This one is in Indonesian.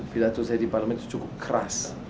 pilatur saya di parlement itu cukup keras